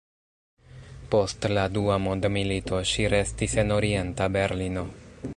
Post la Dua mondmilito ŝi restis en Orienta Berlino.